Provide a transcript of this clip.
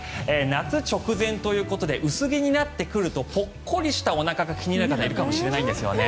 夏直前ということで薄着になってくるとポッコリしたおなかが気になる方もいるかもしれないんですよね。